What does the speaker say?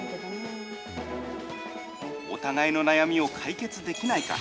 お互いの悩みを解決できないか。